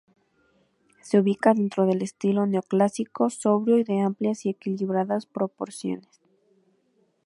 Se ubica dentro del estilo neoclásico, sobrio y de amplias y equilibradas proporciones.